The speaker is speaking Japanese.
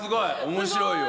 面白いわ。